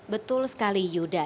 betul sekali yudha